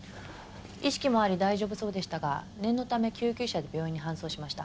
意識もあり大丈夫そうでしたが念のため救急車で病院に搬送しました。